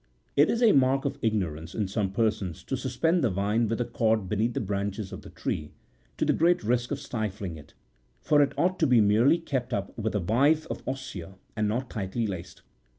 63 It is a mark of ignorance in some persons to suspend the vine with a cord beneath the branches of the tree, to the great risk of stifling it ; for it ought to be merely kept up with a withe of osier, and not tightly laced.